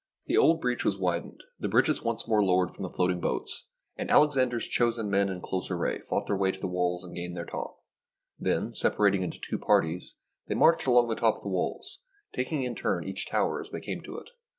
The old breach was widened, the bridges once more lowered from the floating boats, and Alexander's chosen men in close array fought their way to the walls and gained their top. Then, sepa rating into two parties, they marched along the top of the walls, taking in turn each tower as they came to it.